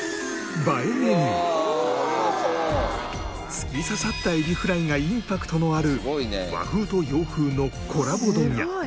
突き刺さったエビフライがインパクトのある和風と洋風のこらぼ丼や。